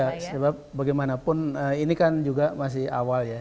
ya sebab bagaimanapun ini kan juga masih awal ya